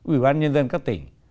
ủy ban nhân dân các tỉnh